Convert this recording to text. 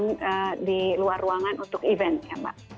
keluar ruangan untuk event ya mbak